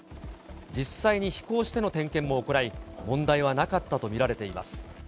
実際に飛行しての点検も行い、問題はなかったと見られています。